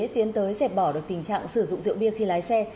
tiến tới dẹp bỏ được tình trạng sử dụng rượu bia khi lái xe